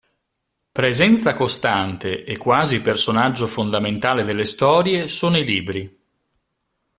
Presenza costante e quasi personaggio fondamentale delle storie sono i libri.